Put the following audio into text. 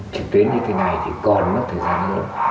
trực tuyến như thế này thì còn mất thời gian hơn